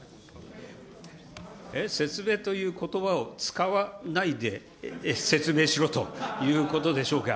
えっ、説明ということばを使わないで説明しろということでしょうか。